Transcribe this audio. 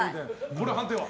これは判定は？